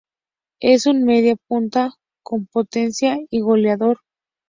Es un media punta con potencia y goleador.